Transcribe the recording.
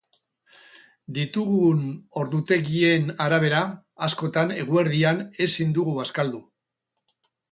Ditugun ordutegien arabera, askotan eguerdian ezin dugu bazkaldu.